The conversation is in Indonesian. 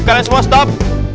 kalian semua stop